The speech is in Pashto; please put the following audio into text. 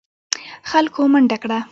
خلکو منډه کړه.